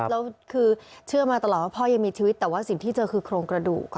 แล้วคือเชื่อมาตลอดว่าพ่อยังมีชีวิตแต่ว่าสิ่งที่เจอคือโครงกระดูก